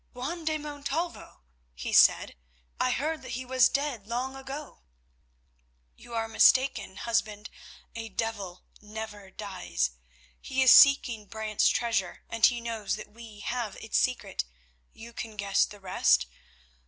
"Juan de Montalvo!" he said. "I heard that he was dead long ago." "You are mistaken, husband, a devil never dies. He is seeking Brant's treasure, and he knows that we have its secret. You can guess the rest.